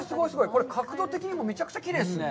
これ、角度的にもめちゃくちゃきれいですね！